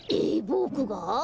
えボクが？